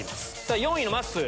４位のまっすー。